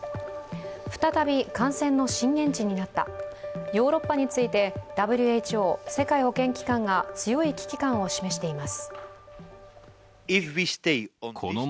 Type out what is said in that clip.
再び感染の震源地になった、ヨーロッパについてＷＨＯ＝世界保健機関が強い危機感を示しています。